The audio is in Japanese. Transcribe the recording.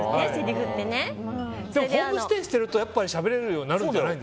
ホームステイしてるとしゃべれるようになるんじゃないの？